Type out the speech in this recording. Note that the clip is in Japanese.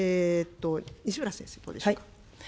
西村先生、どうでしょう。